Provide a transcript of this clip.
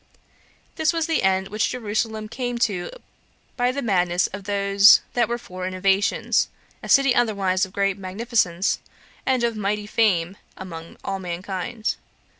This was the end which Jerusalem came to by the madness of those that were for innovations; a city otherwise of great magnificence, and of mighty fame among all mankind.